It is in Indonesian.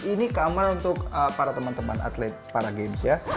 ini kamar untuk para teman teman atlet para games ya